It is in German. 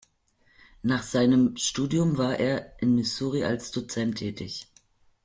Nach seinem Studium war er in Missouri als Dozent tätig.